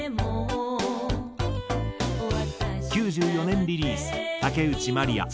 １９９４年リリース竹内まりや